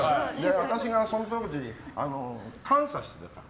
私がその当時、監査して。